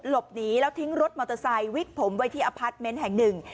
หลบหนีแล้วทิ้งรถมอเตอร์ไซค์วิกผมไว้ที่อพาร์ทเมนต์แห่งหนึ่ง